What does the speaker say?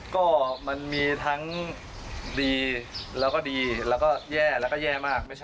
ก็มันมีทั้งดีแล้วก็ดีแล้วก็แย่แล้วก็แย่มาก